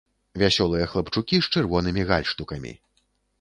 Вясёлыя хлапчукі з чырвонымі гальштукамі.